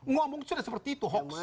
ngomong sudah seperti itu